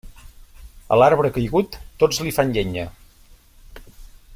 A l'arbre caigut, tots li fan llenya.